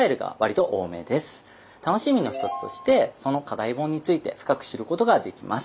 楽しみの一つとしてその課題本について深く知ることができます。